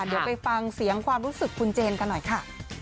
เดี๋ยวไปฟังเสียงความรู้สึกคุณเจนกันหน่อยค่ะ